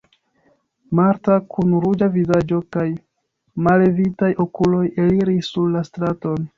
Marta kun ruĝa vizaĝo kaj mallevitaj okuloj eliris sur la straton.